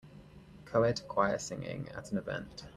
Coed choir singing at an event.